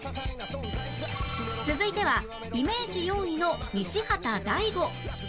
続いてはイメージ４位の西畑大吾